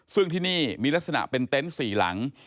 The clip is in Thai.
ซึ่งที่นี่มีลักษณะเป็นเต็นต์๔หลัง